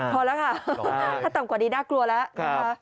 พอแล้วค่ะถ้าต่ำกว่านี้น่ากลัวแล้วนะคะ